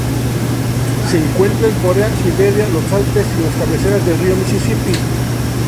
Se encuentra en Corea, Siberia, los Alpes y las cabeceras del río Mississippi.